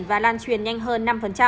giá lan truyền nhanh hơn năm